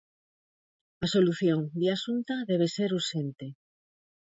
A solución, di a Xunta, debe ser urxente.